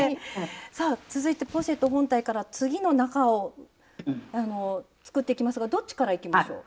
さあ続いてポシェット本体から次の中を作っていきますがどっちからいきましょう？